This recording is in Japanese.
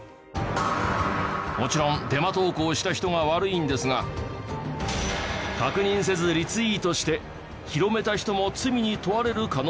もちろんデマ投稿した人が悪いんですが確認せずリツイートして広めた人も罪に問われる可能性も。